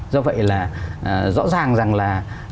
do vậy là rõ ràng rằng là